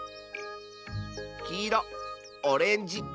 きいろオレンジ